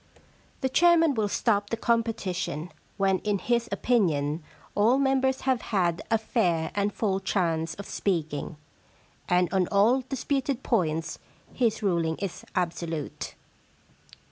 * The chairman will stop the competition when in his opinion all members have had a fair and full chance of speaking, and on all disputed points his ruling is absolute.'